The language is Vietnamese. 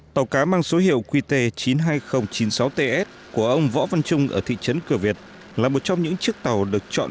tàu cá mang số hiệu qt chín mươi hai nghìn chín mươi sáu ts của ông võ văn trung ở thị trấn cửa việt là một trong những chiếc tàu được chọn